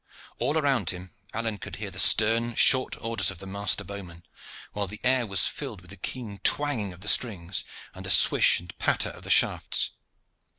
All around him Alleyne could hear the stern, short orders of the master bowmen, while the air was filled with the keen twanging of the strings and the swish and patter of the shafts.